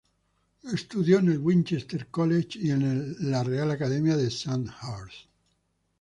Estudió en el "Winchester College" y en la Real Academia de Sandhurst.